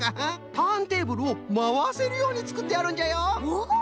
ターンテーブルをまわせるようにつくってあるんじゃよ！